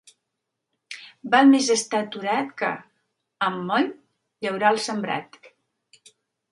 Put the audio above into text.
Val més estar aturat que, amb moll, llaurar el sembrat.